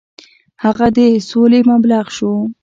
هغه د سولې مبلغ شو.